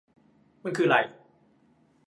มันคือไร